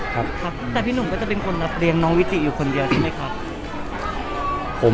ครับครับแต่พี่หนุ่มก็จะเป็นคนรับเลี้ยงน้องวิจิอยู่คนเดียวใช่ไหมครับ